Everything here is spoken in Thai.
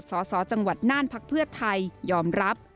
สสจังหวัดน่านพักเพื่อไทยยอมรับ